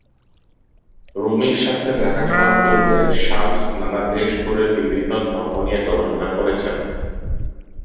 রুমির সাথে দেখা হওয়ার পুর্বে শামস নানা দেশ ঘুরে বিভিন্ন ধর্ম নিয়ে গবেষণা করেছেন।